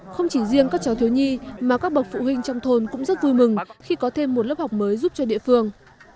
không chỉ riêng các cháu thiếu nhi mà các bậc phụ huynh trong thôn cũng rất vui mừng khi có thêm một lớp học mới giúp cho địa phương